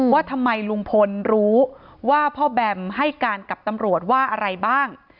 ว่าทำไมลุงพลรู้ว่าพ่อแบมให้การกับตำรวจว่าอะไรบ้าง